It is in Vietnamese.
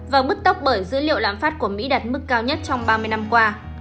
và bức tốc bởi dữ liệu lạm phát của mỹ đặt mức cao nhất trong ba mươi năm qua